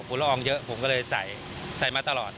ฝุ่นละอองเยอะผมก็เลยใส่ใส่มาตลอด